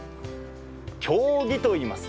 経木といいます。